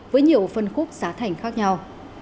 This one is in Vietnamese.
với nhiều phân khúc giá thảnh khác nhau